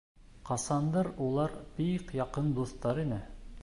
Ҡасандыр улар бик яҡын дуҫтар ине